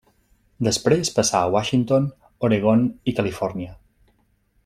Després passà a Washington, Oregon i Califòrnia.